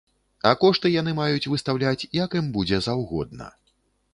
А кошты яны маюць выстаўляць як ім будзе заўгодна.